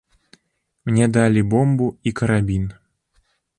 Мне далі бомбу і карабін.